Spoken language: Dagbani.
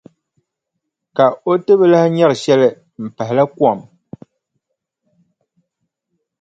Ka o ti bi lahi nyari shɛli m-pahila kom.